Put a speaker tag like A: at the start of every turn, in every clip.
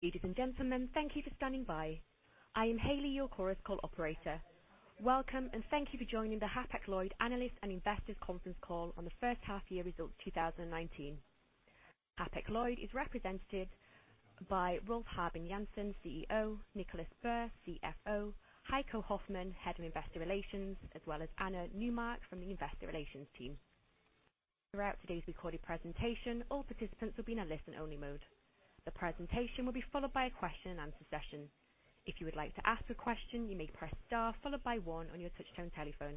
A: Ladies and gentlemen, thank you for standing by. I am Hayley, your Chorus Call operator. Welcome and thank you for joining the Hapag-Lloyd Analyst and Investors Conference Call on the first half-year results 2019. Hapag-Lloyd is represented by Rolf Habben Jansen, CEO, Nicolás Burr, CFO, Heiko Hoffmann, Head of Investor Relations, as well as Anna Neumann from the Investor Relations team. Throughout today's recorded presentation, all participants will be in a listen-only mode. The presentation will be followed by a question and answer session. If you would like to ask a question, you may press star followed by One on your touchtone telephone.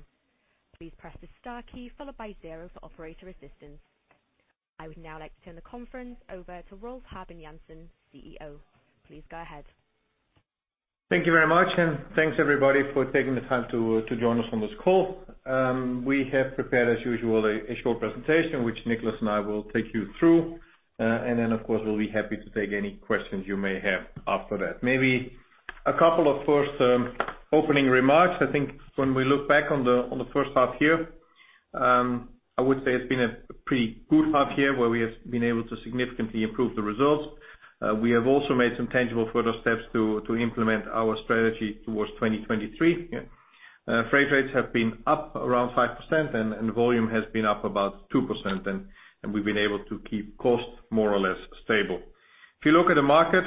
A: Please press the star key followed by zero for operator assistance. I would now like to turn the conference over to Rolf Habben Jansen, CEO. Please go ahead.
B: Thank you very much, and thanks everybody for taking the time to join us on this call. We have prepared as usual a short presentation, which Nicolás and I will take you through. Then, of course, we'll be happy to take any questions you may have after that. Maybe a couple of first opening remarks. I think when we look back on the first half year, I would say it's been a pretty good half year where we have been able to significantly improve the results. We have also made some tangible further steps to implement our Strategy 2023, yeah. Freight rates have been up around 5% and volume has been up about 2%, and we've been able to keep costs more or less stable. If you look at the market,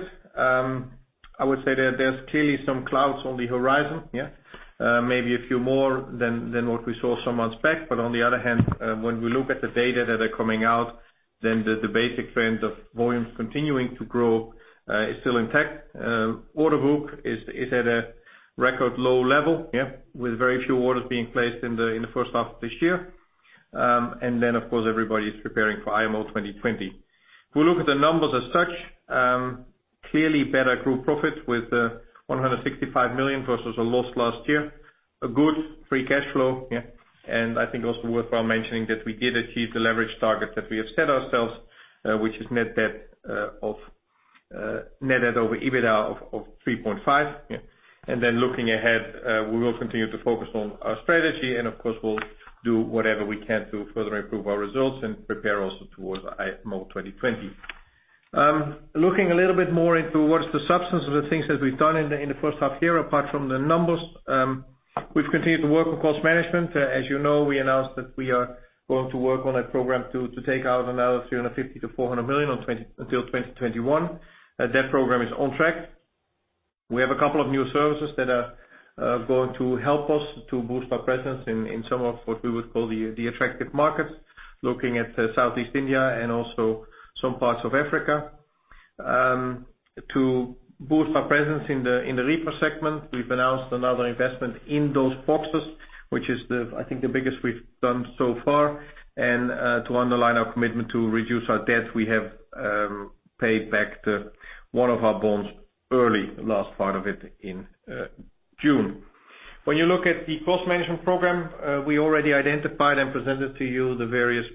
B: I would say that there's clearly some clouds on the horizon, yeah. Maybe a few more than what we saw some months back. On the other hand, when we look at the data that are coming out, then the basic trend of volumes continuing to grow is still intact. Order book is at a record low level, yeah, with very few orders being placed in the first half of this year. Of course, everybody is preparing for IMO 2020. If we look at the numbers as such, clearly better group profits with 165 million versus a loss last year. A good free cash flow, yeah. I think also worthwhile mentioning that we did achieve the leverage target that we have set ourselves, which is net debt over EBITDA of 3.5. Then looking ahead, we will continue to focus on our strategy, and of course, we'll do whatever we can to further improve our results and prepare also towards IMO 2020. Looking a little bit more into what is the substance of the things that we've done in the first half year, apart from the numbers, we've continued to work on cost management. As you know, we announced that we are going to work on a program to take out another 350 million-400 million until 2021. That program is on track. We have a couple of new services that are going to help us to boost our presence in some of what we would call the attractive markets, looking at Southeast Asia and also some parts of Africa. To boost our presence in the reefer segment, we've announced another investment in those boxes, which is, I think, the biggest we've done so far. To underline our commitment to reduce our debt, we have paid back one of our bonds early, the last part of it in June. When you look at the cost management program, we already identified and presented to you the various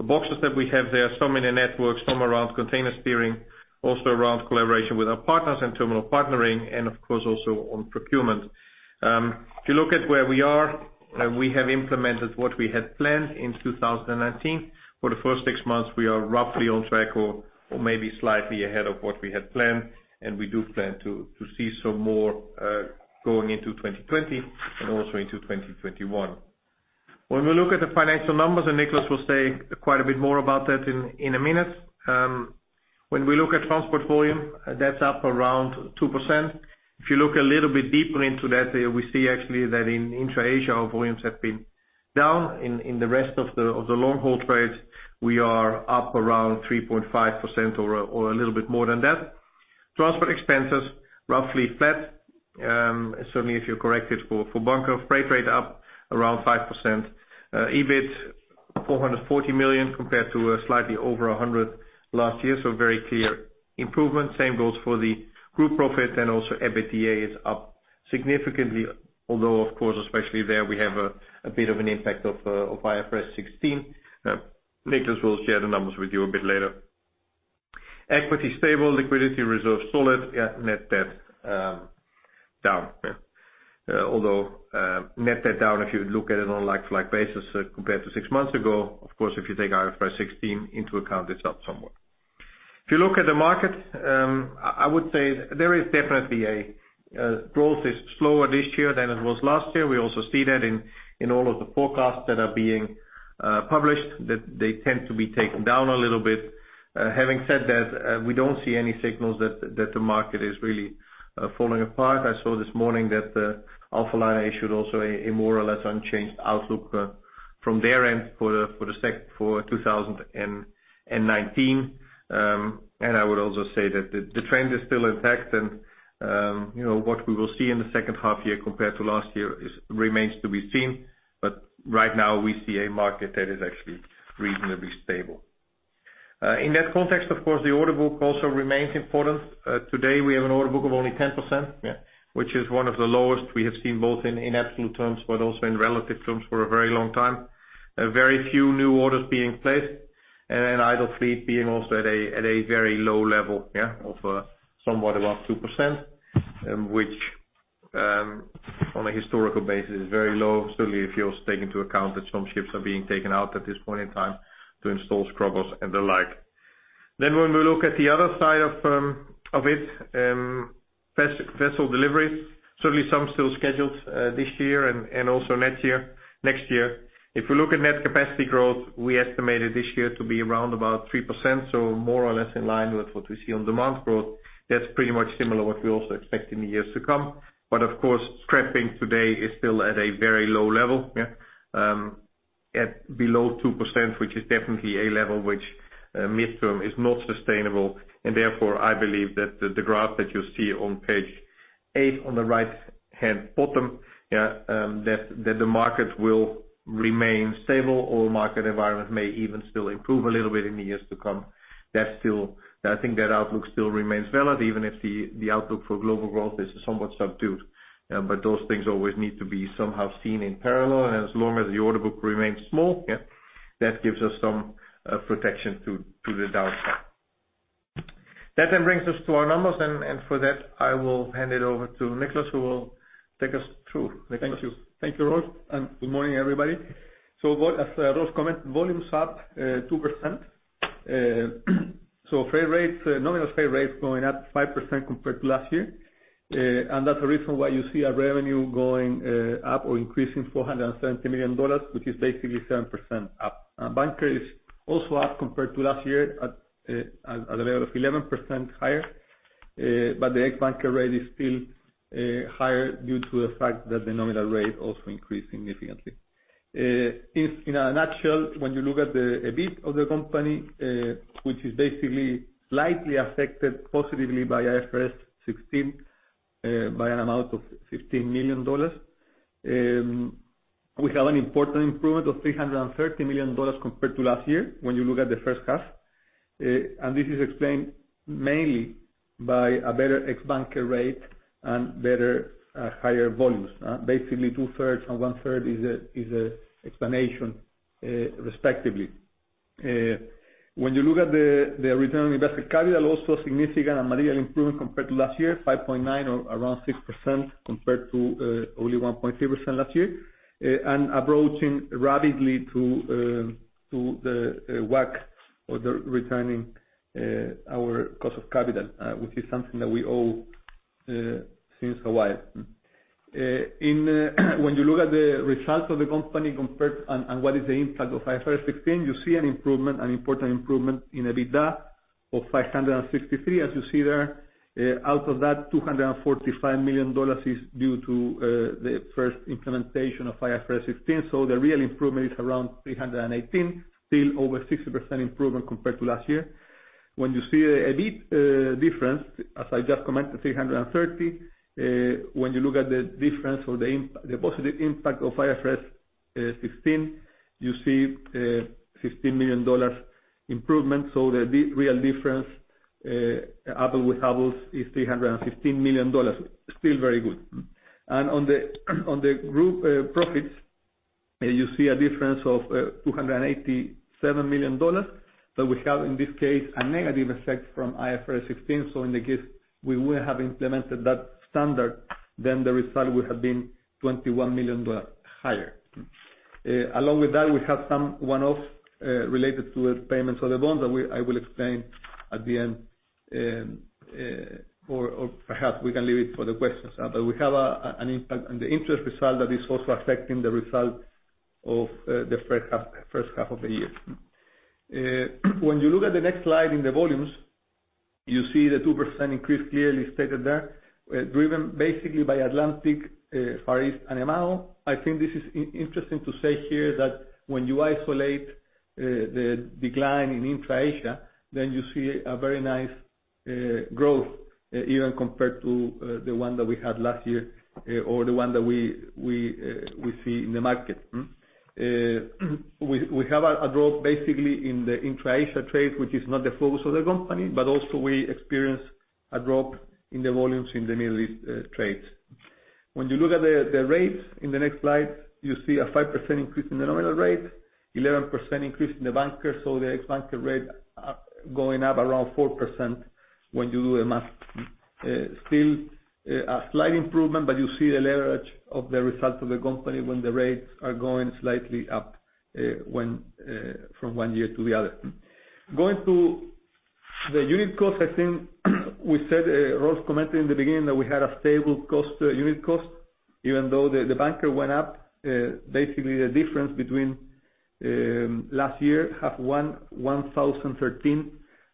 B: boxes that we have there. Some in the network, some around container steering, also around collaboration with our partners and terminal partnering, and of course, also on procurement. If you look at where we are, we have implemented what we had planned in 2019. For the first six months, we are roughly on track or maybe slightly ahead of what we had planned, and we do plan to see some more going into 2020 and also into 2021. When we look at the financial numbers, Nicolás will say quite a bit more about that in a minute. When we look at transport volume, that's up around 2%. If you look a little bit deeper into that, we see actually that in intra-Asia, our volumes have been down. In the rest of the long-haul trades, we are up around 3.5% or a little bit more than that. Transport expenses, roughly flat. Certainly if you correct it for bunker freight rate up around 5%. EBIT 440 million compared to slightly over 100 last year. Very clear improvement. Same goes for the group profit, and also EBITDA is up significantly. Although, of course, especially there, we have a bit of an impact of IFRS 16. Nicolás will share the numbers with you a bit later. Equity stable, liquidity reserve solid, net debt down. Although, net debt down, if you look at it on like-for-like basis compared to six months ago, of course, if you take IFRS 16 into account, it's up somewhat. If you look at the market, I would say there is definitely growth is slower this year than it was last year. We also see that in all of the forecasts that are being published, that they tend to be taken down a little bit. Having said that, we don't see any signals that the market is really falling apart. I saw this morning that Alphaliner issued also a more or less unchanged outlook from their end for 2019. I would also say that the trend is still intact and, you know, what we will see in the second half year compared to last year remains to be seen. Right now, we see a market that is actually reasonably stable. In that context, of course, the order book also remains important. Today, we have an order book of only 10%, which is one of the lowest we have seen, both in absolute terms, but also in relative terms for a very long time. A very few new orders being placed and idle fleet being also at a very low level of somewhat around 2%, which on a historical basis, very low, certainly if you take into account that some ships are being taken out at this point in time to install scrubbers and the like. When we look at the other side of it, vessel deliveries, certainly some still scheduled this year and also next year. If we look at net capacity growth, we estimated this year to be around about 3%, so more or less in line with what we see on demand growth. That's pretty much similar what we also expect in the years to come. Of course, scrapping today is still at a very low level at below 2%, which is definitely a level which midterm is not sustainable, and therefore, I believe that the graph that you see on page eight on the right-hand bottom, that the market will remain stable or market environment may even still improve a little bit in the years to come. That's still I think that outlook still remains valid, even if the outlook for global growth is somewhat subdued. Those things always need to be somehow seen in parallel, and as long as the order book remains small, yeah, that gives us some protection to the downside. That then brings us to our numbers, and for that, I will hand it over to Nicolás, who will take us through. Nicolás.
C: Thank you. Thank you, Rolf, and good morning, everybody. As Rolf commented, volumes up 2%. Freight rates, nominal freight rates going up 5% compared to last year. That's the reason why you see our revenue going up or increasing $470 million, which is basically 7% up. Bunker is also up compared to last year at a level of 11% higher. The ex-bunker rate is still higher due to the fact that the nominal rate also increased significantly. If in a nutshell, when you look at the EBIT of the company, which is basically slightly affected positively by IFRS 16, by an amount of $15 million, we have an important improvement of $330 million compared to last year when you look at the first half. This is explained mainly by a better ex-bunker rate and better higher volumes. Basically two-thirds and one-third is an explanation, respectively. When you look at the return on invested capital, also significant and material improvement compared to last year, 5.9% or around 6% compared to only 1.3% last year, and approaching rapidly to the WACC or the return on our cost of capital, which is something that we owe since a while. When you look at the results of the company compared to what is the impact of IFRS 16, you see an improvement, an important improvement in EBITDA of $563 million, as you see there. Out of that, $245 million is due to the first implementation of IFRS 16. The real improvement is around $318 million, still over 60% improvement compared to last year. When you see a bit difference, as I just commented, 330, when you look at the difference or the positive impact of IFRS 16, you see $15 million improvement. The real difference, apples-to-apples, is $315 million. Still very good. On the group profits, you see a difference of $287 million, but we have, in this case, a negative effect from IFRS 16. In the case we would have implemented that standard, the result would have been $21 million higher. Along with that, we have some one-off related to payments of the bonds that we, I will explain at the end, or perhaps we can leave it for the questions. We have an impact on the interest result that is also affecting the result of the first half of the year. When you look at the next slide in the volumes, you see the 2% increase clearly stated there, driven basically by Atlantic, Far East, and MAO. I think this is interesting to say here that when you isolate the decline in intra-Asia, then you see a very nice growth even compared to the one that we had last year or the one that we see in the market. We have a drop basically in the intra-Asia trade, which is not the focus of the company, but also we experience a drop in the volumes in the Middle East trades. When you look at the rates in the next slide, you see a 5% increase in the nominal rate, 11% increase in the bunker. So the ex-bunker rate going up around 4% when you do the math. Still, a slight improvement, but you see the leverage of the results of the company when the rates are going slightly up, when from one year to the other. Going to the unit cost, I think we said, Rolf commented in the beginning that we had a stable cost, unit cost, even though the bunker went up. Basically the difference between last year H1 $1,013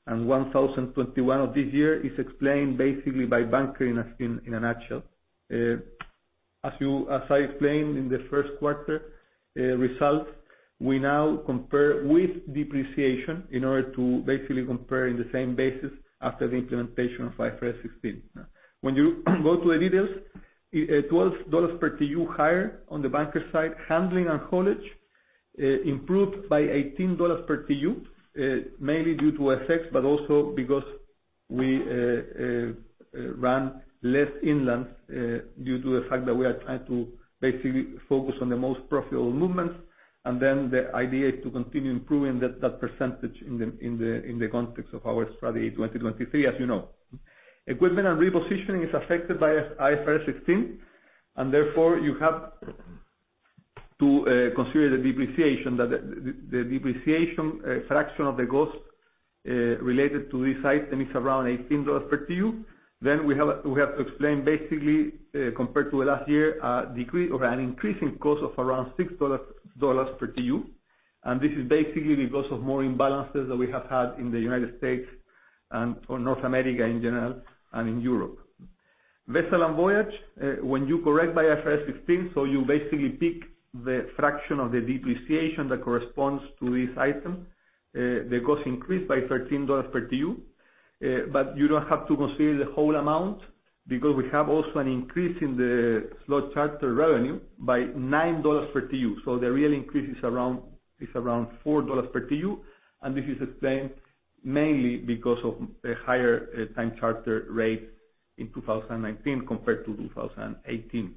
C: and $1,021 of this year is explained basically by bunker in a nutshell. As I explained in the first quarter results, we now compare with depreciation in order to basically compare in the same basis after the implementation of IFRS 16. When you go to the details, it was $ per TEU higher on the bunker side. Handling and haulage improved by $18 per TEU, mainly due to FX effects, but also because we run less inlands due to the fact that we are trying to basically focus on the most profitable movements. Then the idea is to continue improving that percentage in the context of our Strategy 2023, as you know. Equipment and repositioning is affected by IFRS 16, and therefore you have to consider the depreciation fraction of the cost related to this item is around $18 per TEU. Then we have to explain basically, compared to last year, a decrease in cost of around $6 per TEU. This is basically because of more imbalances that we have had in the United States and or North America in general, and in Europe. Vessel and voyage, when you correct by IFRS 16, so you basically pick the fraction of the depreciation that corresponds to this item. The cost increased by $13 per TEU. But you don't have to consider the whole amount because we have also an increase in the slot charter revenue by $9 per TEU. The real increase is around $4 per TEU, and this is explained mainly because of a higher time charter rate in 2019 compared to 2018.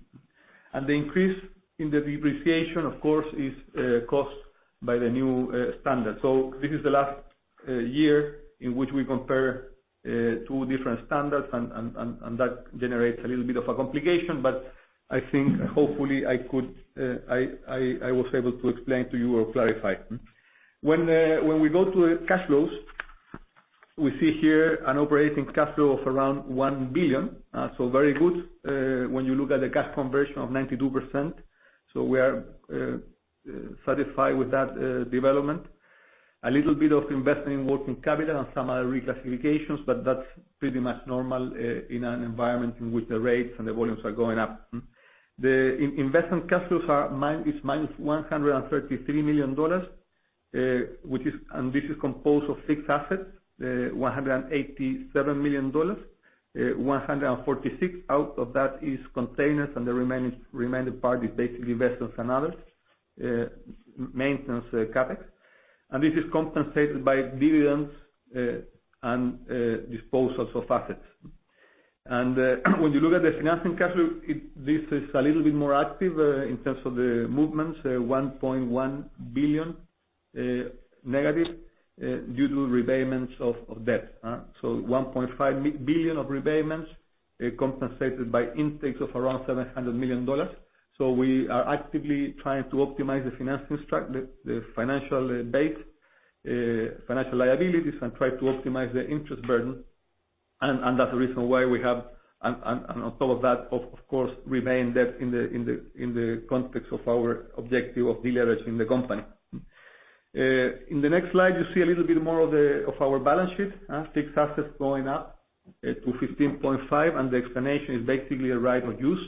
C: The increase in the depreciation, of course, is caused by the new standard. This is the last year in which we compare two different standards and that generates a little bit of a complication. I think hopefully I was able to explain to you or clarify. When we go to cash flows, we see here an operating cash flow of around $1 billion. Very good, when you look at the cash conversion of 92%. We are satisfied with that development. A little bit of investment in working capital and some other reclassifications, but that's pretty much normal in an environment in which the rates and the volumes are going up. The investment cash flows are minus $133 million, which is composed of fixed assets, $187 million. 146 out of that is containers, and the remaining part is basically vessels and others, maintenance CapEx. This is compensated by dividends and disposals of assets. When you look at the financing cash flow, this is a little bit more active in terms of the movements, $1.1 billion negative due to repayments of debt. $1.5 billion of repayments, compensated by intakes of around $700 million. We are actively trying to optimize the financing structure, the financial base, financial liabilities, and try to optimize the interest burden. That's the reason why we have, and on top of that, of course, remaining debt in the context of our objective of de-leveraging the company. In the next slide, you see a little bit more of our balance sheet. Fixed assets going up to 15.5, and the explanation is basically a right-of-use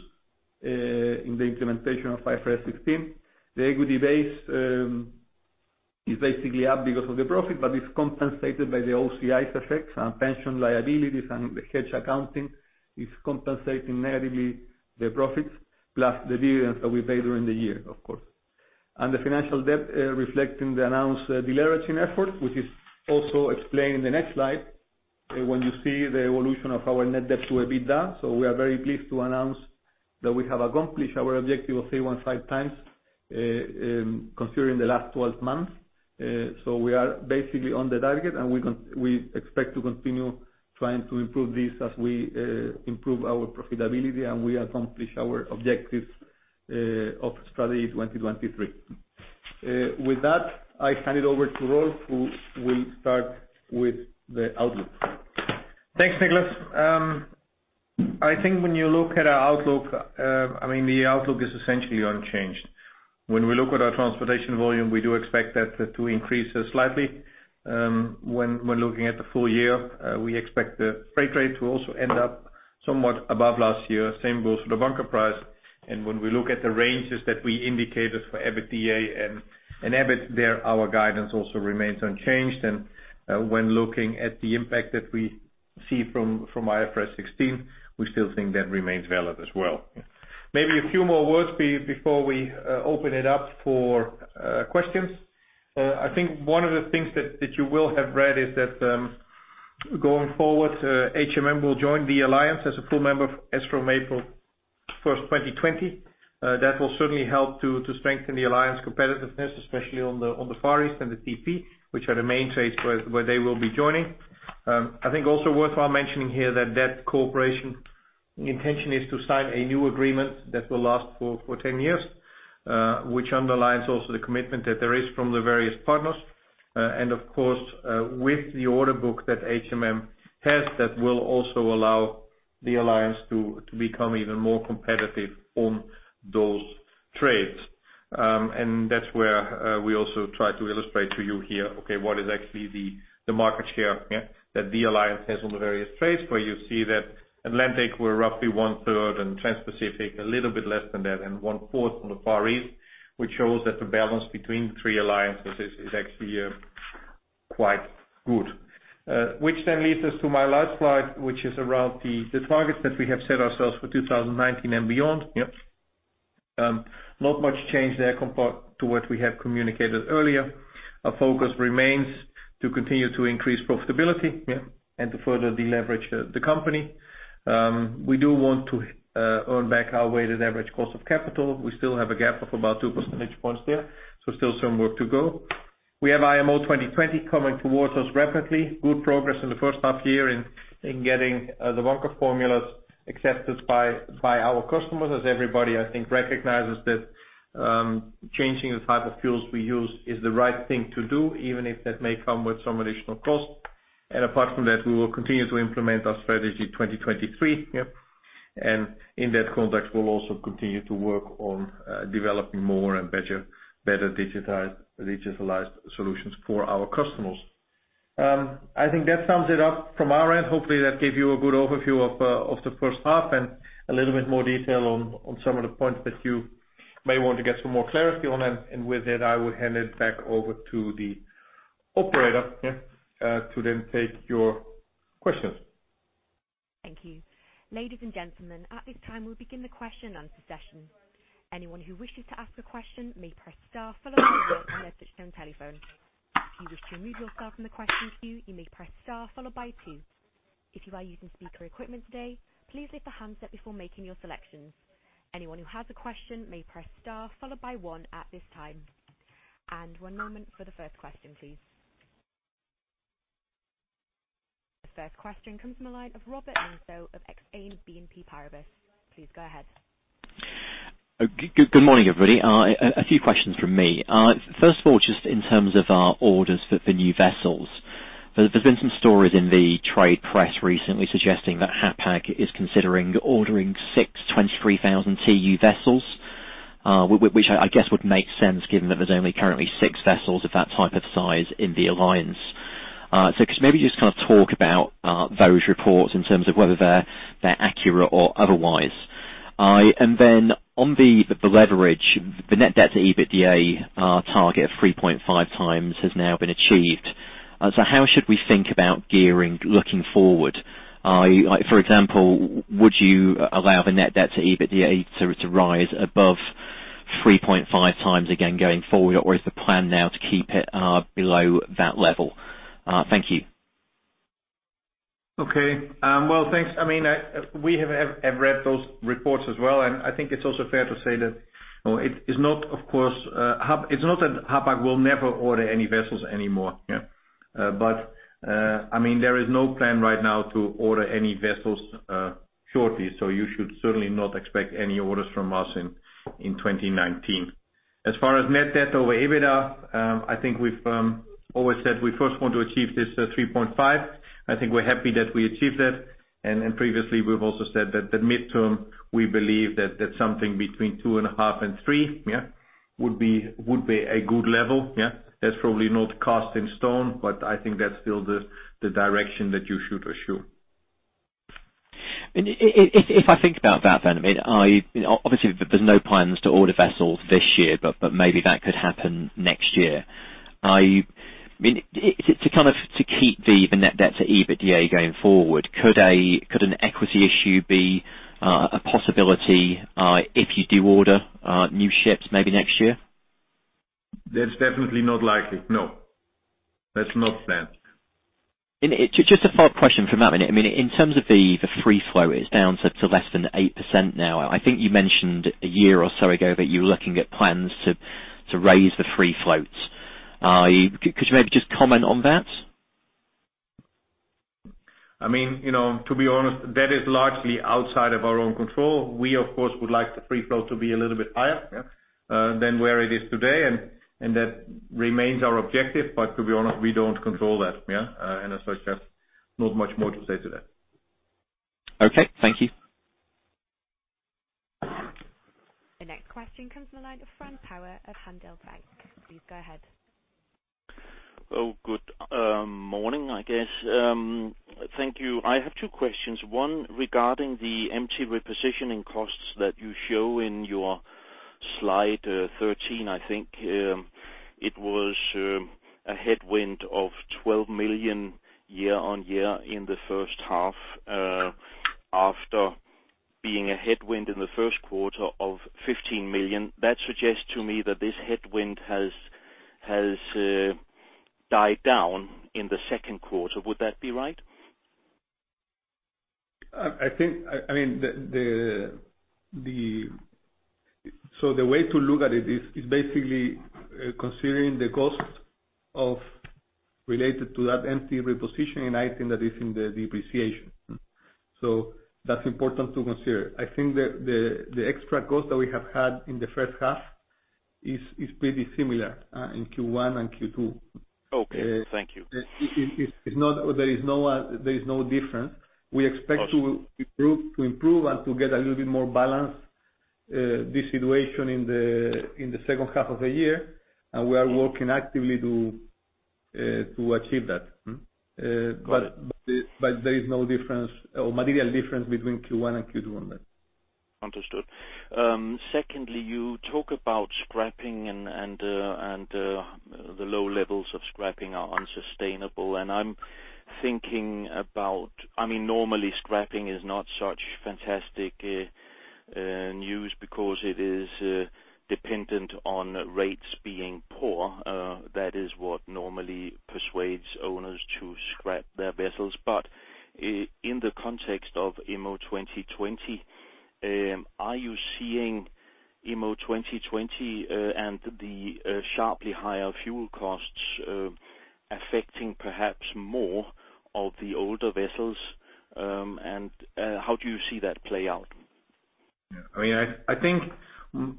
C: in the implementation of IFRS 16. The equity base is basically up because of the profit, but it's compensated by the OCI effects and pension liabilities and the hedge accounting is compensating negatively the profits, plus the dividends that we paid during the year, of course. The financial debt reflecting the announced de-leveraging effort, which is also explained in the next slide, when you see the evolution of our net debt to EBITDA. We are very pleased to announce that we have accomplished our objective of 3.15x, considering the last twelve months. We are basically on the target, and we expect to continue trying to improve this as we improve our profitability, and we accomplish our objectives of Strategy 2023. With that, I hand it over to Rolf, who will start with the outlook.
B: Thanks, Nicolás. I think when you look at our outlook, I mean, the outlook is essentially unchanged. When we look at our transportation volume, we do expect that to increase slightly. When we're looking at the full year, we expect the freight rate to also end up somewhat above last year. Same goes for the bunker price. When we look at the ranges that we indicated for EBITDA and EBIT, our guidance also remains unchanged. When looking at the impact that we see from IFRS 16, we still think that remains valid as well. Maybe a few more words before we open it up for questions. I think one of the things that you will have read is that going forward HMM will join THE Alliance as a full member as from April 1, 2020. That will certainly help to strengthen THE Alliance competitiveness, especially on the Far East and the TP, which are the main trades where they will be joining. I think also worthwhile mentioning here that that cooperation, the intention is to sign a new agreement that will last for 10 years, which underlines also the commitment that there is from the various partners. Of course, with the order book that HMM has, that will also allow THE Alliance to become even more competitive on those trades. That's where we also try to illustrate to you here, okay, what is actually the market share that THE Alliance has on the various trades. Where you see that on the Atlantic, we're roughly 1/3, and on the Transpacific, a little bit less than that, and 1/4 on the Far East, which shows that the balance between the three alliances is actually quite good. Which then leads us to my last slide, which is around the targets that we have set ourselves for 2019 and beyond. Not much change there compared to what we have communicated earlier. Our focus remains to continue to increase profitability.
D: Yeah.
B: To further deleverage the company. We do want to earn back our weighted average cost of capital. We still have a gap of about two percentage points there, so still some work to go. We have IMO 2020 coming towards us rapidly. Good progress in the first half year in getting the bunker formulas accepted by our customers. As everybody, I think, recognizes that changing the type of fuels we use is the right thing to do, even if that may come with some additional cost. Apart from that, we will continue to implement our Strategy 2023.
D: Yeah.
B: In that context, we'll also continue to work on developing more and better digitized, digitalized solutions for our customers. I think that sums it up from our end. Hopefully, that gave you a good overview of the first half and a little bit more detail on some of the points that you may want to get some more clarity on. With that, I will hand it back over to the operator.
D: Yeah.
B: to then take your questions.
A: Thank you. Ladies and gentlemen, at this time, we'll begin the question and answer session. Anyone who wishes to ask a question may press star followed by one on their touch-tone telephone. If you wish to remove yourself from the question queue, you may press star followed by two. If you are using speaker equipment today, please lift the handset before making your selections. Anyone who has a question may press star followed by one at this time. One moment for the first question, please. The first question comes from the line of Robert Joynson of Exane BNP Paribas. Please go ahead.
E: Good morning, everybody. A few questions from me. First of all, just in terms of orders for new vessels. There's been some stories in the trade press recently suggesting that Hapag is considering ordering six 23,000 TEU vessels, which I guess would make sense given that there's only currently six vessels of that type of size in the alliance. Could maybe just kind of talk about those reports in terms of whether they're accurate or otherwise. Then on the leverage, the net debt to EBITDA target of 3.5 times has now been achieved. How should we think about gearing looking forward? For example, would you allow the net debt to EBITDA to rise above 3.5x again going forward, or is the plan now to keep it below that level? Thank you.
B: Okay. Thanks. I mean, we have read those reports as well, and I think it's also fair to say that, you know, it is not, of course, Hapag-Lloyd will never order any vessels anymore, yeah. I mean, there is no plan right now to order any vessels shortly. You should certainly not expect any orders from us in 2019. As far as net debt to EBITDA, I think we've always said we first want to achieve this 3.5. I think we're happy that we achieved that. Previously we've also said that the mid-term, we believe that that's something between 2.5 and 3 would be a good level, yeah. That's probably not cast in stone, but I think that's still the direction that you should assume.
E: I mean, if I think about that then, I mean, you know, obviously there's no plans to order vessels this year, but maybe that could happen next year. I mean, to kind of keep the net debt to EBITDA going forward, could an equity issue be a possibility, if you do order new ships maybe next year?
B: That's definitely not likely. No. That's not planned.
E: Just a follow-up question from that then. I mean, in terms of the free float, it's down to less than 8% now. I think you mentioned a year or so ago that you were looking at plans to raise the free float. Could you maybe just comment on that?
B: I mean, you know, to be honest, that is largely outside of our own control. We of course would like the free float to be a little bit higher, yeah, than where it is today. That remains our objective. To be honest, we don't control that, yeah. As such, there's not much more to say to that.
E: Okay. Thank you.
A: The next question comes from the line of Frans Hoyer of Handelsbanken. Please go ahead.
D: Oh, good morning, I guess. Thank you. I have two questions. One regarding the empty repositioning costs that you show in your slide 13. I think it was a headwind of $12 million year on year in the first half, after being a headwind in the first quarter of $15 million. That suggests to me that this headwind has died down in the second quarter. Would that be right?
B: I think I mean the way to look at it is basically considering the cost related to that empty repositioning item that is in the depreciation. That's important to consider. I think the extra cost that we have had in the first half is pretty similar in Q1 and Q2.
D: Okay. Thank you.
B: There is no difference. We expect to improve and to get a little bit more balance, this situation in the second half of the year, and we are working actively to achieve that. Mm-hmm.
D: Got it.
B: there is no difference or material difference between Q1 and Q2 on that.
D: Understood. Secondly, you talk about scrapping, and the low levels of scrapping are unsustainable. I'm thinking about, I mean, normally scrapping is not such fantastic.
F: No news because it is dependent on rates being poor. That is what normally persuades owners to scrap their vessels. In the context of IMO 2020, are you seeing IMO 2020 and the sharply higher fuel costs affecting perhaps more of the older vessels? How do you see that play out?
B: Yeah, I mean, I think,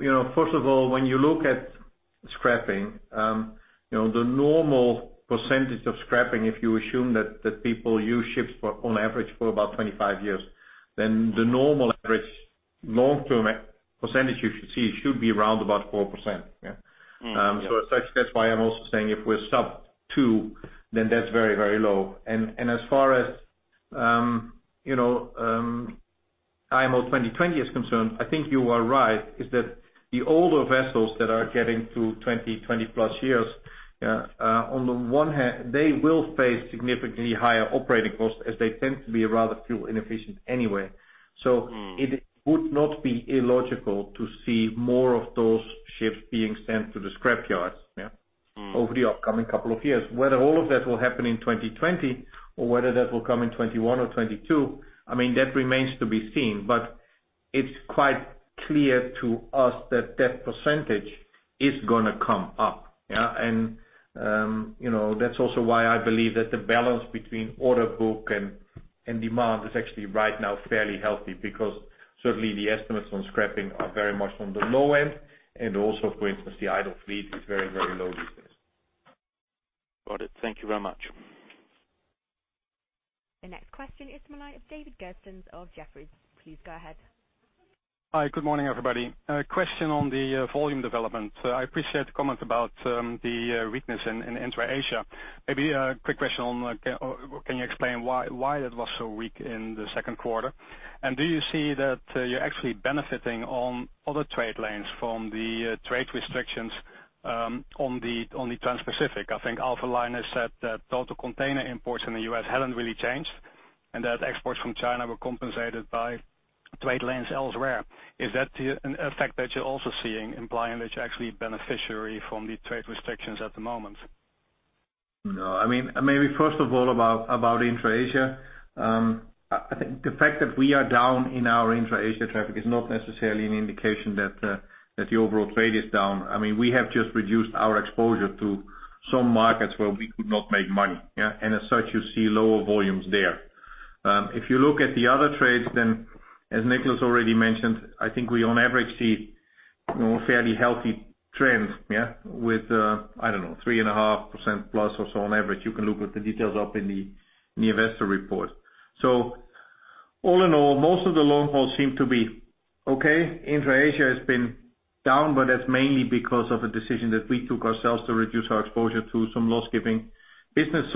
B: you know, first of all, when you look at scrapping, you know, the normal percentage of scrapping, if you assume that people use ships for, on average for about 25 years, then the normal average long-term percentage you should see should be around about 4%, yeah.
F: Mm. Yeah.
B: As such, that's why I'm also saying if we're sub 2, then that's very, very low. As far as, you know, IMO 2020 is concerned, I think you are right, is that the older vessels that are getting to 20-plus years, on the one hand, they will face significantly higher operating costs as they tend to be rather fuel inefficient anyway.
F: Mm.
B: It would not be illogical to see more of those ships being sent to the scrapyards, yeah.
F: Mm.
B: Over the upcoming couple of years. Whether all of that will happen in 2020 or whether that will come in 2021 or 2022, I mean, that remains to be seen. It's quite clear to us that that percentage is gonna come up, yeah. You know, that's also why I believe that the balance between order book and demand is actually right now fairly healthy because certainly the estimates on scrapping are very much on the low end. Also, for instance, the idle fleet is very, very low these days.
F: Got it. Thank you very much.
A: The next question is the line of David Kerstens of Jefferies. Please go ahead.
G: Hi, good morning, everybody. A question on the volume development. I appreciate the comment about the weakness in Intra-Asia. Maybe a quick question on like can you explain why that was so weak in the second quarter? Do you see that you're actually benefiting on other trade lanes from the trade restrictions on the Transpacific? I think Alphaliner has said that total container imports in the U.S. haven't really changed, and that exports from China were compensated by trade lanes elsewhere. Is that an effect that you're also seeing implying that you're actually a beneficiary from the trade restrictions at the moment?
B: No. I mean, maybe first of all, about Intra-Asia, I think the fact that we are down in our Intra-Asia traffic is not necessarily an indication that the overall trade is down. I mean, we have just reduced our exposure to some markets where we could not make money, yeah. As such, you see lower volumes there. If you look at the other trades then, as Nicholas already mentioned, I think we on average see fairly healthy trends, yeah, with 3.5%+ or so on average. You can look at the details up in the investor report. All in all, most of the long haul seem to be okay. Intra-Asia has been down, but that's mainly because of a decision that we took ourselves to reduce our exposure to some loss-giving business.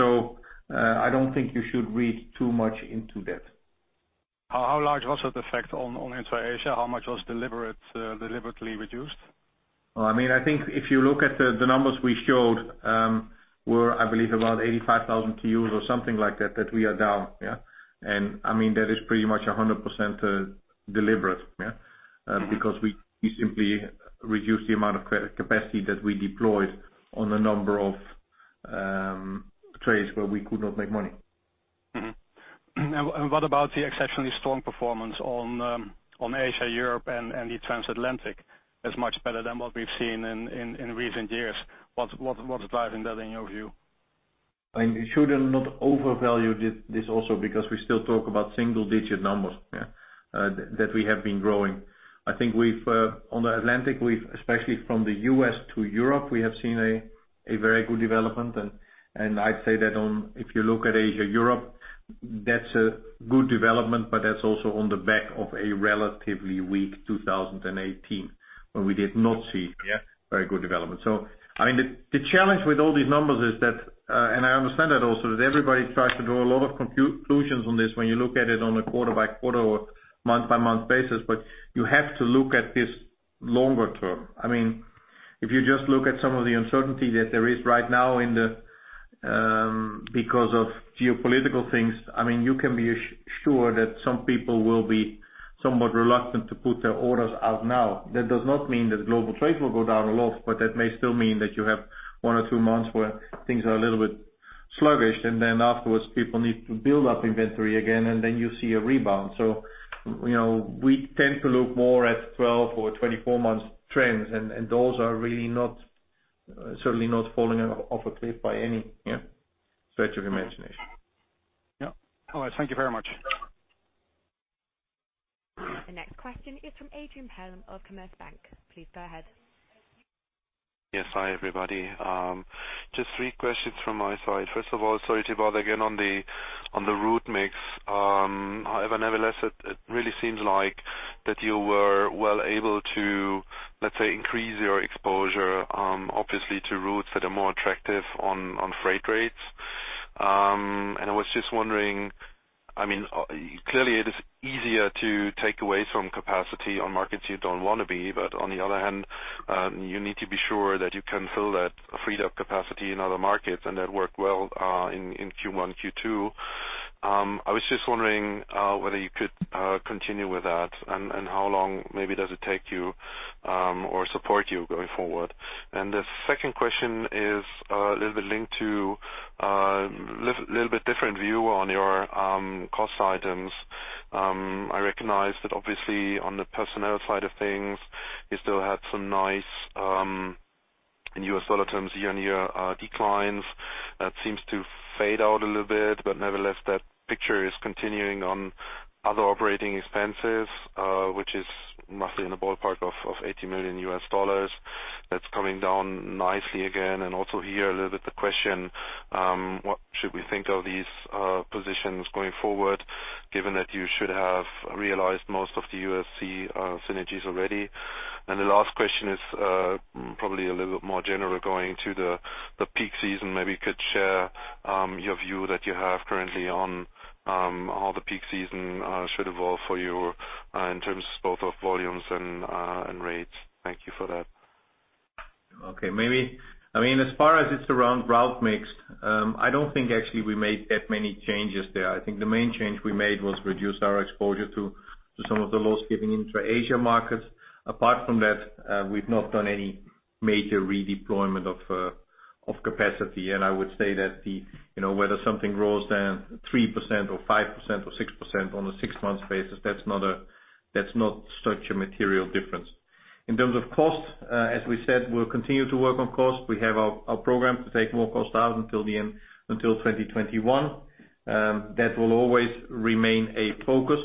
B: I don't think you should read too much into that.
G: How large was that effect on Intra-Asia? How much was deliberately reduced?
B: Well, I mean, I think if you look at the numbers we showed were, I believe, about 85,000 TEUs or something like that we are down, yeah. I mean, that is pretty much 100% deliberate, yeah.
G: Mm-hmm.
B: Because we simply reduced the amount of capacity that we deployed on a number of trades where we could not make money.
G: Mm-hmm. What about the exceptionally strong performance on Asia, Europe and the Transatlantic as much better than what we've seen in recent years? What's driving that in your view?
B: I mean, you should have not overvalued this also because we still talk about single digit numbers that we have been growing. I think we've on the Atlantic, we've especially from the U.S. to Europe, we have seen a very good development. I'd say that on if you look at Asia, Europe, that's a good development, but that's also on the back of a relatively weak 2018 when we did not see-
G: Yeah...
B: very good development. I mean, the challenge with all these numbers is that I understand that everybody tries to draw a lot of conclusions on this when you look at it on a quarter-by-quarter or month-by-month basis. You have to look at this longer term. I mean, if you just look at some of the uncertainty that there is right now because of geopolitical things, I mean, you can be sure that some people will be somewhat reluctant to put their orders out now. That does not mean that global trade will go down a lot, but that may still mean that you have one or two months where things are a little bit sluggish, and then afterwards people need to build up inventory again, and then you see a rebound. You know, we tend to look more at 12 or 24 months trends, and those are really not certainly not falling off a cliff by any yeah stretch of imagination.
G: Yeah. All right. Thank you very much.
A: The next question is from Adrian Helm of Commerzbank. Please go ahead.
F: Yes. Hi, everybody. Just three questions from my side. First of all, sorry, Tibor, again, on the route mix. However, nevertheless, it really seems like that you were well able to, let's say, increase your exposure, obviously to routes that are more attractive on freight rates. I was just wondering, I mean, clearly it is easier to take away some capacity on markets you don't wanna be, but on the other hand, you need to be sure that you can fill that freed up capacity in other markets, and that worked well in Q1, Q2. I was just wondering whether you could continue with that and how long maybe does it take you or support you going forward. The second question is, a little bit linked to, a little bit different view on your cost items. I recognize that obviously on the personnel side of things, you still had some nice, in U.S. dollar terms, year-on-year declines. That seems to fade out a little bit. Nevertheless, that picture is continuing on other operating expenses, which is roughly in the ballpark of $80 million. That's coming down nicely again. Also here, a little bit the question, what should we think of these positions going forward, given that you should have realized most of the UASC synergies already? The last question is, probably a little bit more general going to the peak season. Maybe you could share your view that you have currently on how the peak season should evolve for you in terms both of volumes and rates. Thank you for that.
B: I mean, as far as route mix, I don't think actually we made that many changes there. I think the main change we made was reduce our exposure to some of the loss-making intra-Asia markets. Apart from that, we've not done any major redeployment of capacity. I would say that, you know, whether something goes down 3% or 5% or 6% on a six-month basis, that's not such a material difference. In terms of cost, as we said, we'll continue to work on cost. We have our program to take more costs out until 2021. That will always remain a focus.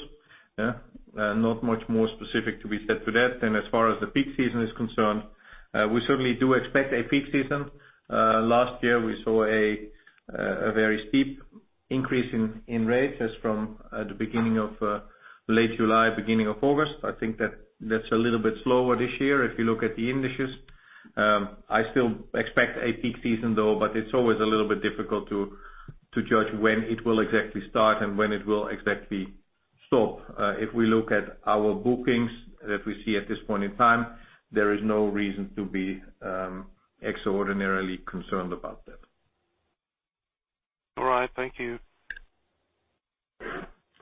B: Not much more specific to be said to that. As far as the peak season is concerned, we certainly do expect a peak season. Last year, we saw a very steep increase in rates as from the beginning of late July, beginning of August. I think that's a little bit slower this year if you look at the indices. I still expect a peak season, though, but it's always a little bit difficult to judge when it will exactly start and when it will exactly stop. If we look at our bookings that we see at this point in time, there is no reason to be extraordinarily concerned about that.
F: All right. Thank you.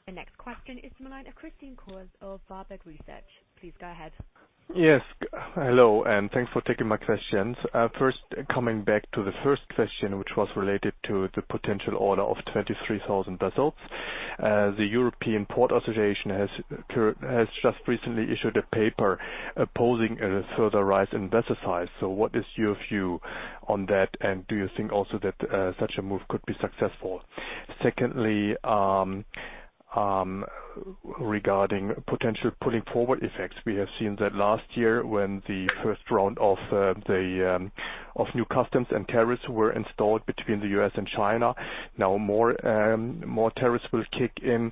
A: The next question is from the line of Christian Cohrs of Warburg Research. Please go ahead.
H: Yes. Hello, and thanks for taking my questions. First, coming back to the first question, which was related to the potential order of 33,000 vessels. The European Sea Ports Organisation has just recently issued a paper opposing a further rise in vessel size. What is your view on that? Do you think also that such a move could be successful? Secondly, regarding potential pulling forward effects, we have seen that last year when the first round of new customs and tariffs were installed between the U.S. and China. Now more tariffs will kick in.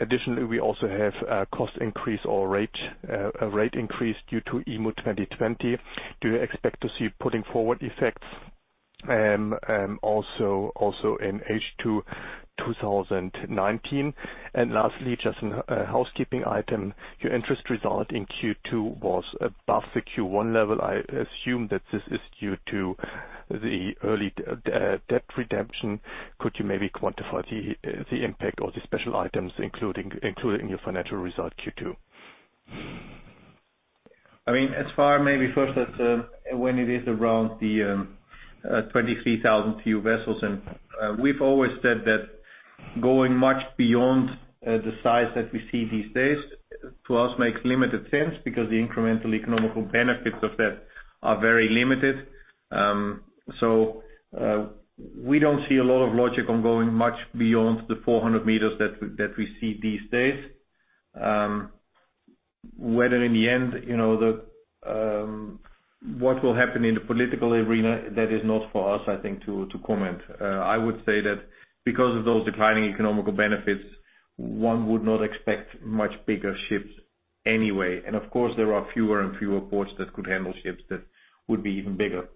H: Additionally, we also have a cost increase or a rate increase due to IMO 2020. Do you expect to see pulling forward effects also in H2 2019? Lastly, just a housekeeping item. Your interest result in Q2 was above the Q1 level. I assume that this is due to the early debt redemption. Could you maybe quantify the impact or the special items, including your financial result Q2?
B: I mean, when it is around the 23,000 TEU vessels, and we've always said that going much beyond the size that we see these days, to us, makes limited sense because the incremental economic benefits of that are very limited. So, we don't see a lot of logic on going much beyond the 400 meters that we see these days. Whether in the end, you know, what will happen in the political arena, that is not for us, I think, to comment. I would say that because of those declining economic benefits, one would not expect much bigger ships anyway. Of course, there are fewer and fewer ports that could handle ships that would be even bigger.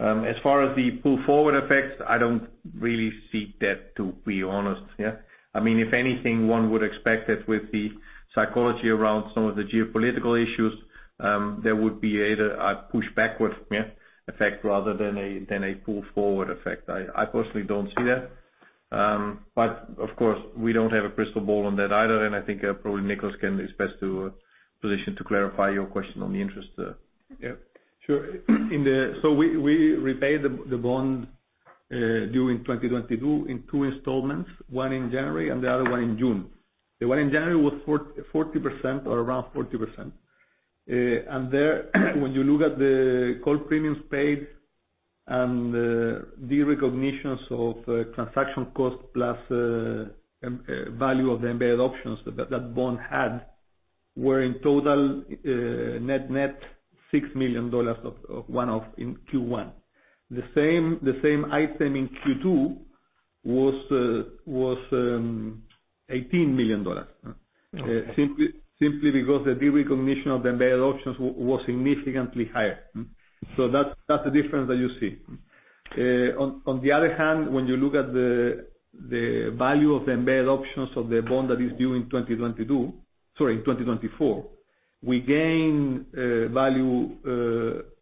B: As far as the pull forward effects, I don't really see that, to be honest. I mean, if anything, one would expect that with the psychology around some of the geopolitical issues, there would be either a push backward effect rather than a pull forward effect. I personally don't see that. Of course, we don't have a crystal ball on that either. I think probably Nicolás can be best positioned to clarify your question on the interest.
C: Sure. We repaid the bond during 2022 in two installments, one in January and the other one in June. The one in January was 40% or around 40%. And there, when you look at the call premiums paid and the recognitions of transaction costs plus the value of the embedded options that bond had, were in total net-net $6 million of one-off in Q1. The same item in Q2 was $18 million.
H: Okay.
C: Simply because the derecognition of the embedded options was significantly higher. That's the difference that you see. On the other hand, when you look at the value of the embedded options of the bond that is due in 2024. We gain value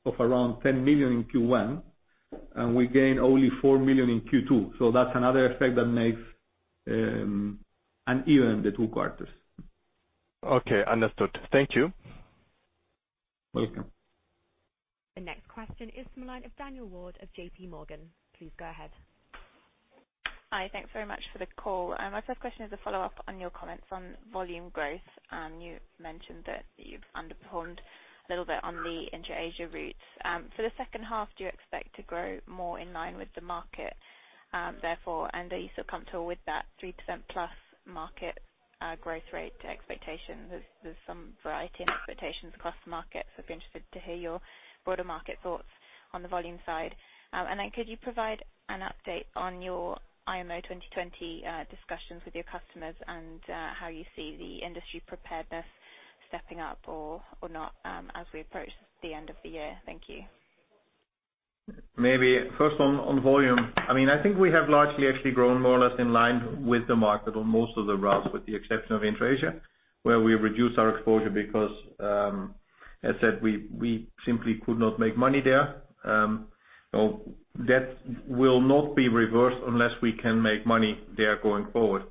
C: of around 10 million in Q1, and we gain only 4 million in Q2. That's another effect that makes uneven the two quarters.
A: Okay, understood. Thank you.
C: Welcome.
A: The next question is from the line of Daniel Ward of J.P. Morgan. Please go ahead.
I: Hi. Thanks very much for the call. My first question is a follow-up on your comments on volume growth. You mentioned that you've underperformed a little bit on the Inter-Asia routes. For the second half, do you expect to grow more in line with the market, therefore? Are you still comfortable with that 3%+ market growth rate expectation? There's some variety in expectations across the market, so I'd be interested to hear your broader market thoughts on the volume side. And then could you provide an update on your IMO 2020 discussions with your customers and how you see the industry preparedness stepping up or not as we approach the end of the year? Thank you.
B: Maybe first on volume. I mean, I think we have largely actually grown more or less in line with the market on most of the routes, with the exception of Inter-Asia, where we reduced our exposure because, as said, we simply could not make money there. That will not be reversed unless we can make money there going forward.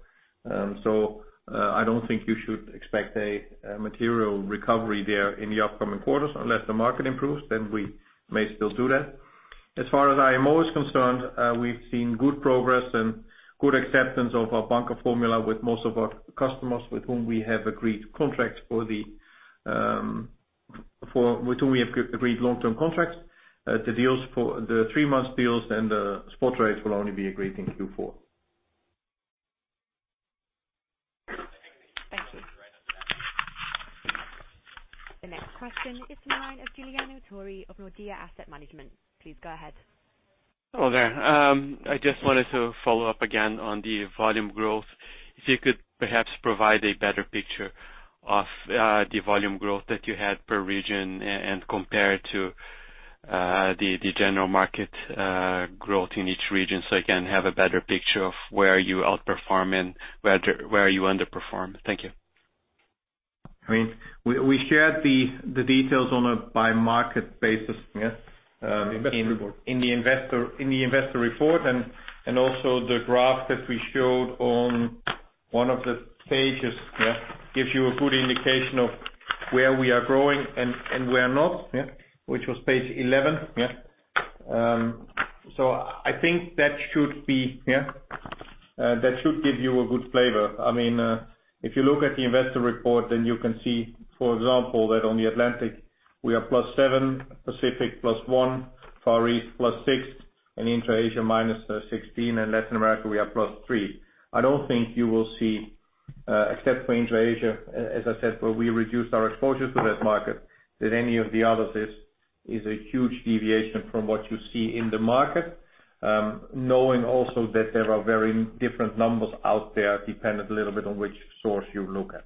B: I don't think you should expect a material recovery there in the upcoming quarters unless the market improves, then we may still do that. As far as IMO is concerned, we've seen good progress and good acceptance of our bunker formula with most of our customers with whom we have agreed long-term contracts. The deals for the three-month deals and the spot rates will only be agreed in Q4.
I: Thank you.
A: The next question is from the line of Guiliano Gigli of Nordea Asset Management. Please go ahead.
J: Hello there. I just wanted to follow up again on the volume growth. If you could perhaps provide a better picture of the volume growth that you had per region and compare it to the general market growth in each region so I can have a better picture of where you outperform and where you underperform. Thank you.
B: I mean, we shared the details on a by market basis, yes?
C: Investor report.
B: In the investor report and also the graph that we showed on one of the pages gives you a good indication of where we are growing and where not. Which was page 11. I think that should give you a good flavor. I mean, if you look at the investor report, then you can see, for example, that on the Atlantic we are +7%, Pacific +1%, Far East +6%, and Inter-Asia -16%, and Latin America we are +3%. I don't think you will see, except for Inter-Asia, as I said, where we reduced our exposure to that market, that any of the other is a huge deviation from what you see in the market. Knowing also that there are very different numbers out there, dependent a little bit on which source you look at.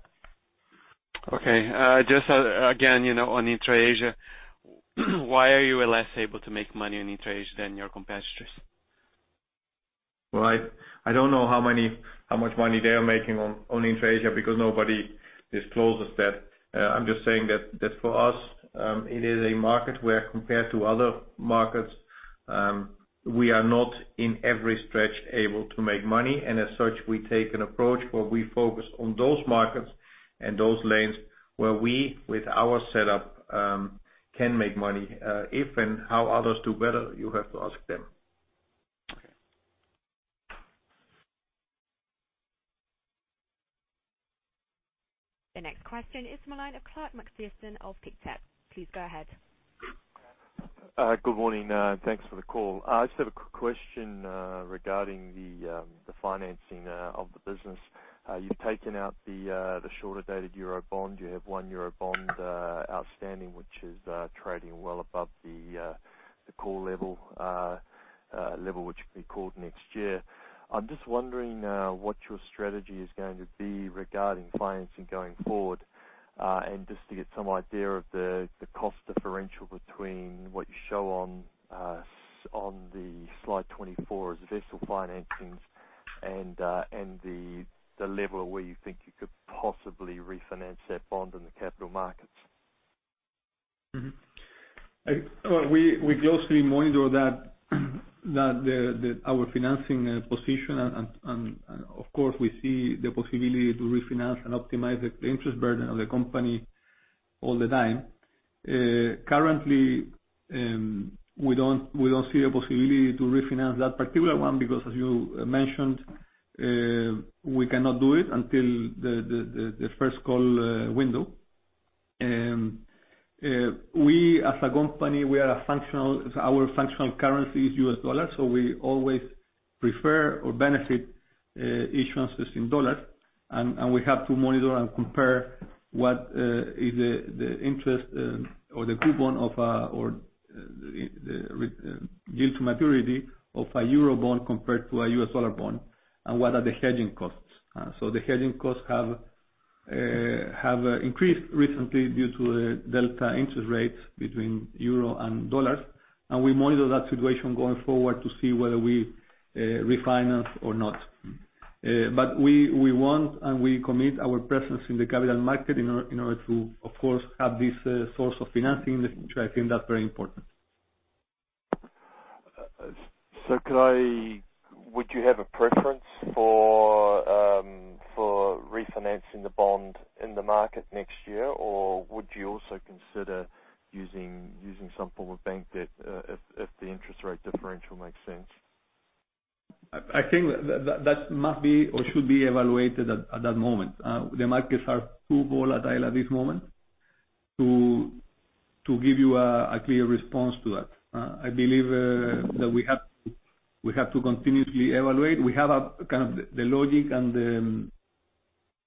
J: Okay. Just, again, you know, on Intra-Asia, why are you less able to make money on Intra-Asia than your competitors?
B: Well, I don't know how much money they are making on Inter-Asia because nobody discloses that. I'm just saying that for us, it is a market where, compared to other markets, we are not in every stretch able to make money. As such, we take an approach where we focus on those markets and those lanes where we, with our setup, can make money. If and how others do better, you have to ask them.
J: Okay.
A: The next question is from the line of Clark McPherson of Pictet. Please go ahead.
K: Good morning, and thanks for the call. I just have a question regarding the financing of the business. You've taken out the shorter dated euro bond. You have one euro bond outstanding, which is trading well above the call level, which can be called next year. I'm just wondering what your strategy is going to be regarding financing going forward. Just to get some idea of the cost differential between what you show on slide 24 as vessel financings and the level of where you think you could possibly refinance that bond in the capital markets.
C: We closely monitor that our financing position and of course we see the possibility to refinance and optimize the interest burden of the company all the time. Currently, we don't see a possibility to refinance that particular one because as you mentioned, we cannot do it until the first call window. Our functional currency is U.S. dollar, so we always prefer or benefit issuance just in dollars. We have to monitor and compare what is the interest or the coupon or the yield to maturity of a euro bond compared to a U.S. dollar bond, and what are the hedging costs. The hedging costs have increased recently due to delta interest rates between euro and dollars, and we monitor that situation going forward to see whether we refinance or not.
B: We want and we commit our presence in the capital market in order to, of course, have this source of financing, which I think that's very important.
K: Would you have a preference for refinancing the bond in the market next year? Or would you also consider using some form of bank debt, if the interest rate differential makes sense?
B: I think that must be or should be evaluated at that moment. The markets are too volatile at this moment to give you a clear response to that. I believe that we have to continuously evaluate. Kind of the logic and the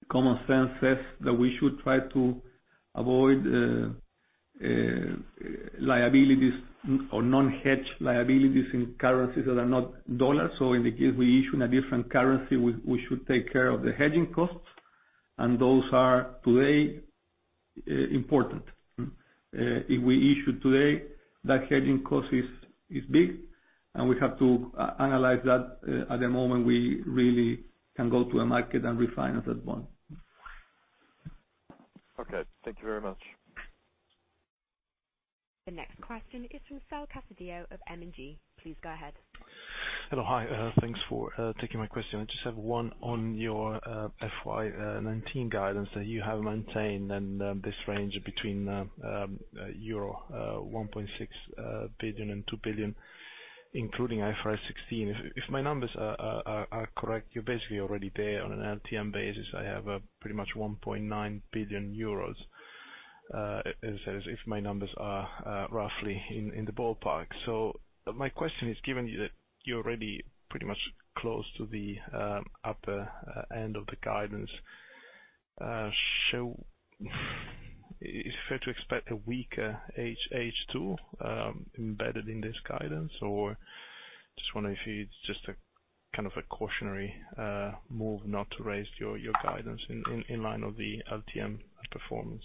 B: common sense says that we should try to avoid liabilities or non-hedged liabilities in currencies that are not dollars. In the case we issue in a different currency, we should take care of the hedging costs, and those are today important. If we issue today, that hedging cost is big, and we have to analyze that at the moment we really can go to a market and refinance at that point.
K: Okay, thank you very much.
A: The next question is from Saul Casadio of M&G. Please go ahead.
L: Hello. Hi. Thanks for taking my question. I just have one on your FY 2019 guidance that you have maintained and this range between euro 1.6 billion and 2 billion, including IFRS 16. If my numbers are correct, you're basically already there on an LTM basis. I have pretty much 1.9 billion euros, as if my numbers are roughly in the ballpark. My question is, given that you're already pretty much close to the upper end of the guidance, is it fair to expect a weaker H2 embedded in this guidance? Or just wondering if it's just a kind of a cautionary move not to raise your guidance in line with the LTM performance.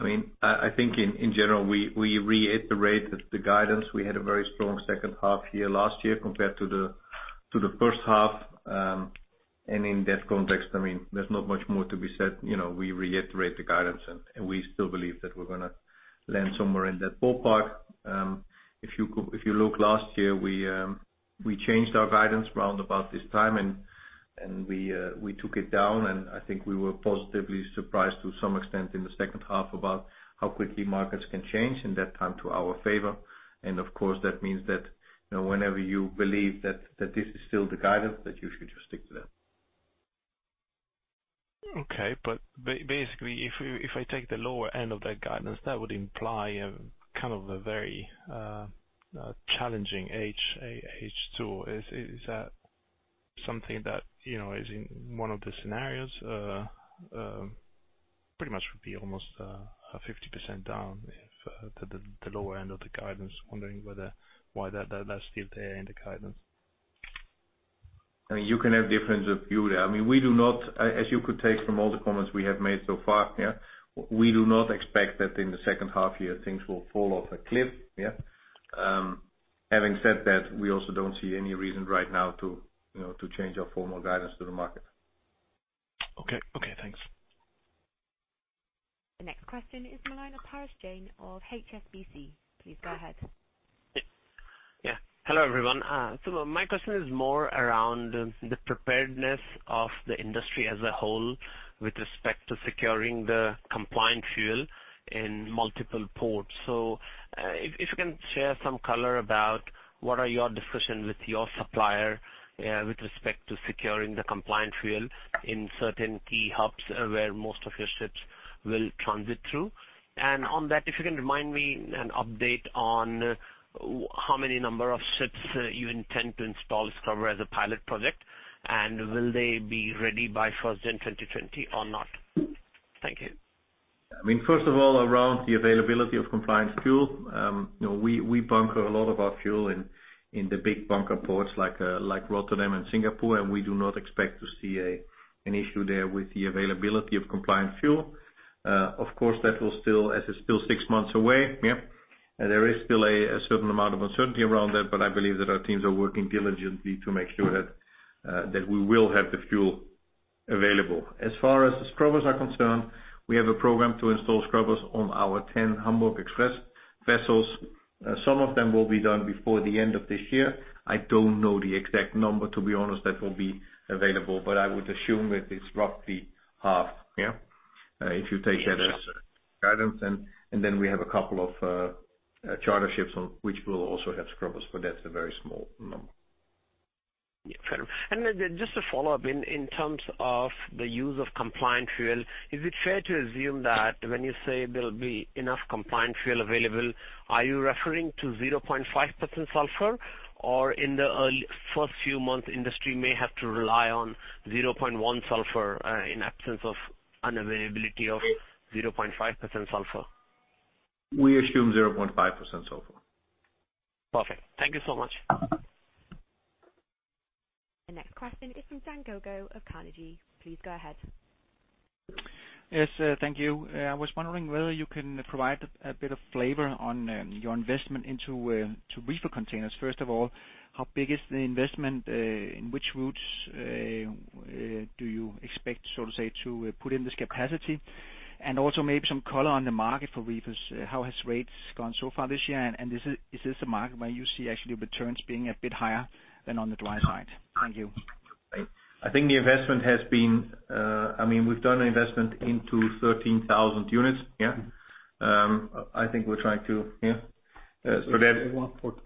B: I mean, I think in general, we reiterate the guidance. We had a very strong second half year last year compared to the first half. In that context, I mean, there's not much more to be said. You know, we reiterate the guidance, and we still believe that we're gonna land somewhere in that ballpark. If you look last year, we changed our guidance around about this time and we took it down, and I think we were positively surprised to some extent in the second half about how quickly markets can change, and that turned to our favor. Of course, that means that, you know, whenever you believe that this is still the guidance, that you should just stick to that.
L: Okay. Basically, if I take the lower end of that guidance, that would imply a kind of a very challenging H2. Is that something that you know is in one of the scenarios? Pretty much would be almost a 50% down if the lower end of the guidance. I'm wondering why that's still there in the guidance.
B: I mean, you can have difference of view there. I mean, as you could take from all the comments we have made so far, yeah, we do not expect that in the second half year things will fall off a cliff. Yeah. Having said that, we also don't see any reason right now to, you know, to change our formal guidance to the market.
L: Okay. Okay, thanks.
A: The next question is Parash Jain of HSBC. Please go ahead.
M: Yeah. Hello, everyone. My question is more around the preparedness of the industry as a whole with respect to securing the compliant fuel in multiple ports. If you can share some color about what are your discussions with your supplier with respect to securing the compliant fuel in certain key hubs where most of your ships will transit through. On that, if you can remind me an update on how many number of ships you intend to install scrubbers as a pilot project, and will they be ready by 1Q 2020 or not? Thank you.
B: I mean, first of all, around the availability of compliant fuel, you know, we bunker a lot of our fuel in the big bunker ports like Rotterdam and Singapore, and we do not expect to see an issue there with the availability of compliant fuel. Of course, as it's still six months away, there is still a certain amount of uncertainty around that, but I believe that our teams are working diligently to make sure that we will have the fuel available. As far as the scrubbers are concerned, we have a program to install scrubbers on our 10 Hamburg Express vessels. Some of them will be done before the end of this year. I don't know the exact number, to be honest, that will be available, but I would assume that it's roughly half, yeah. If you take that as guidance. We have a couple of charter ships on which will also have scrubbers, but that's a very small number.
M: Yeah. Fair enough. Then just to follow up, in terms of the use of compliant fuel, is it fair to assume that when you say there'll be enough compliant fuel available, are you referring to 0.5% sulfur? Or in the first few months, industry may have to rely on 0.1% sulfur, in absence of unavailability of 0.5% sulfur?
B: We assume 0.5% sulfur.
M: Perfect. Thank you so much.
A: The next question is from Dan Togo Jensen of Carnegie. Please go ahead.
N: Yes, thank you. I was wondering whether you can provide a bit of flavor on your investment into reefer containers. First of all, how big is the investment? In which routes do you expect, so to say, to put in this capacity? Also maybe some color on the market for reefers. How have rates gone so far this year? Is this a market where you see actually returns being a bit higher than on the dry side? Thank you.
B: I think the investment has been, I mean, we've done an investment into 13,000 units, yeah. I think we're trying to prevent-
C: $114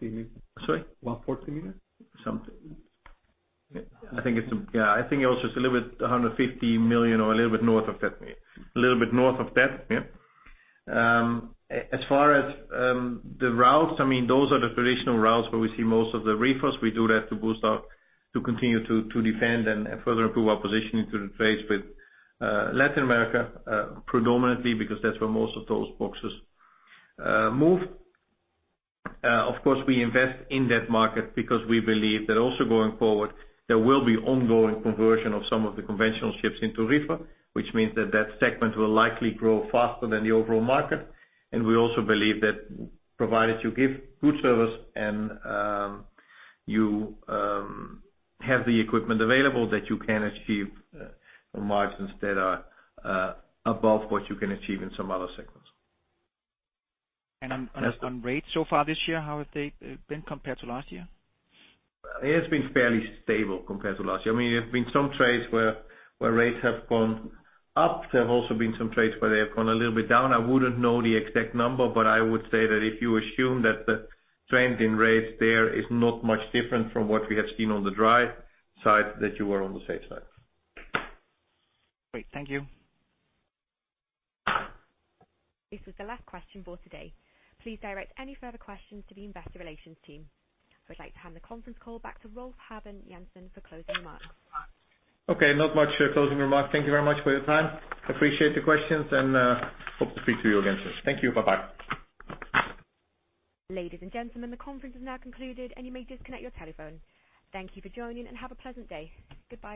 C: million.
B: Sorry?
C: $114 million.
B: I think it was just a little bit $150 million or a little bit north of that. Yeah. As far as the routes, I mean, those are the traditional routes where we see most of the reefers. We do that to boost our position, to continue to defend and further improve our position into the trades with Latin America predominantly because that's where most of those boxes move. Of course, we invest in that market because we believe that also going forward, there will be ongoing conversion of some of the conventional ships into reefer, which means that segment will likely grow faster than the overall market. We also believe that provided you give good service and you have the equipment available, that you can achieve margins that are above what you can achieve in some other segments.
N: On rates so far this year, how have they been compared to last year?
B: It has been fairly stable compared to last year. I mean, there have been some trades where rates have gone up. There have also been some trades where they have gone a little bit down. I wouldn't know the exact number, but I would say that if you assume that the trend in rates there is not much different from what we have seen on the dry side, that you are on the safe side.
N: Great. Thank you.
A: This is the last question for today. Please direct any further questions to the investor relations team. I would like to hand the conference call back to Rolf Habben Jansen for closing remarks.
B: Okay, not much, closing remarks. Thank you very much for your time. Appreciate the questions and, hope to speak to you again soon. Thank you. Bye-bye.
A: Ladies and gentlemen, the conference is now concluded and you may disconnect your telephone. Thank you for joining and have a pleasant day. Goodbye.